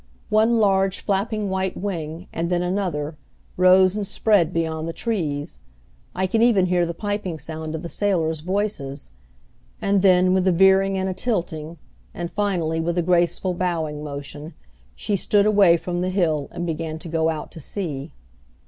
One large flapping white wing, and then another, rose and spread beyond the trees. I could even hear the piping sound of the sailors' voices; and then, with a veering and a tilting, and finally with a graceful bowing motion, she stood away from the hill and began to go out to sea.